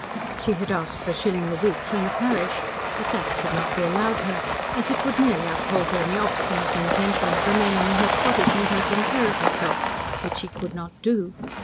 She had asked for a shilling a week from the parish, but that could not be allowed her, as it would merely uphold her in her obstinate intention of remaining in her cottage, and taking care of herself which she could not do.